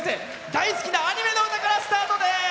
大好きなアニメの歌からスタートです。